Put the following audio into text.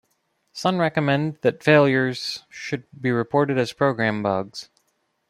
Sun recommend that failures should be reported as program bugs.